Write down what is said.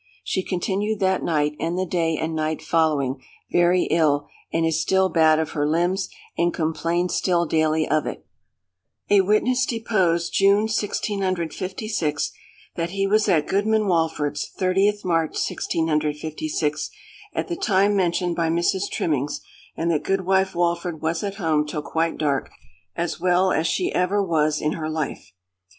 She continued that night, and the day and night following, very ill, and is still bad of her limbs, and complains still daily of it. "A witness deposed, June 1656, that he was at Goodman Walford's, 30th March, 1656, at the time mentioned by Mrs. Trimmings, and that Goodwife Walford was at home till quite dark, as well as she ever was in her life.